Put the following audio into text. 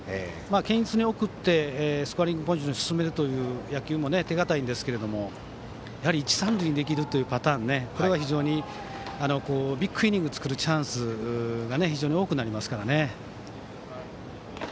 堅実に送ってスコアリングポジションに進める野球も手堅いんですけども一、三塁にできるパターンはビッグイニングを作るチャンスが非常に多くなりますからね。